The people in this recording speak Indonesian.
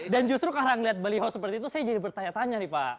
dan justru kalau ngeliat baliho seperti itu saya jadi bertanya tanya nih pak